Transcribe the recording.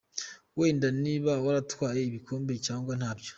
Wenda niba waratwaye ibikombe cyangwa ntabyo.